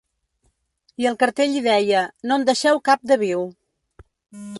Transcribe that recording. I el cartell hi deia: no en deixeu cap de viu.